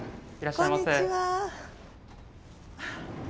こんにちは。